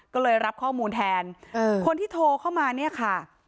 ก็เลยรับข้อมูลแทนคนที่โทรเข้ามาเนี่ยค่ะ